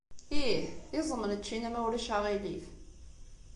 Ih, iẓem n ččina, ma ulac aɣilif.